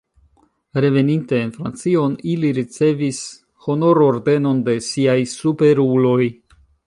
Reveninte en Francion, ili ricevis honor-ordenon de siaj superuloj.